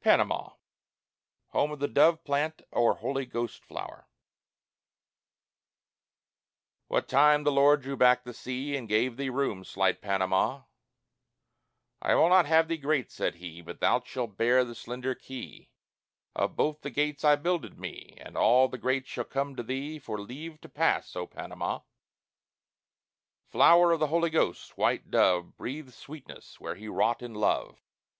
PANAMA HOME OF THE DOVE PLANT OR HOLY GHOST FLOWER I What time the Lord drew back the sea And gave thee room, slight Panama, "I will not have thee great," said he, "But thou shalt bear the slender key Of both the gates I builded me, And all the great shall come to thee For leave to pass, O Panama!" (Flower of the Holy Ghost, white dove, Breathe sweetness where he wrought in love.)